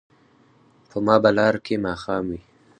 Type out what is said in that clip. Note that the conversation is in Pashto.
په ما به لاره کې ماښام وي